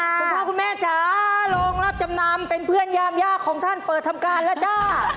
คุณพ่อคุณแม่จ๋าโรงรับจำนำเป็นเพื่อนยามยากของท่านเปิดทำการแล้วจ้า